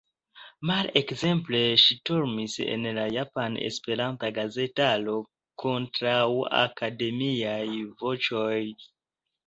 Male – ekzemple ŝtormis en la japana esperanta gazetaro kontraŭakademiaj voĉoj.